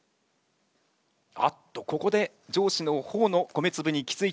あっとここで上司の頬の米つぶに気付いた。